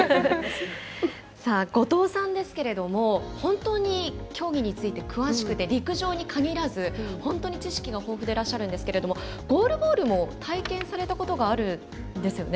後藤さんは本当に競技について詳しくて陸上に限らず本当に知識が豊富でいらっしゃるんですけどゴールボールも体験されたことがあるんですよね。